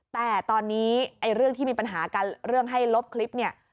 แต่ตอนนี้เรื่องที่มีปัญหากันเรื่องให้ลบคลิปเนี่ย